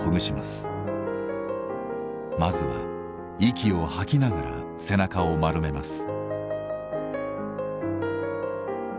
まずは息を吐きながら背中を丸めます。